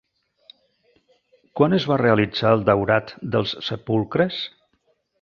Quan es va realitzar el daurat dels sepulcres?